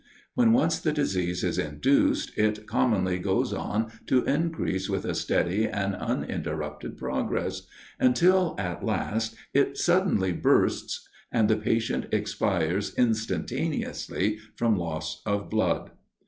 When once the disease is induced, it commonly goes on to increase with a steady and uninterrupted progress, until at last it suddenly bursts, and the patient expires instantaneously from loss of blood.